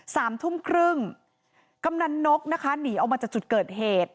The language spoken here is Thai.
สามทุ่มครึ่งกำนันนกนะคะหนีออกมาจากจุดเกิดเหตุ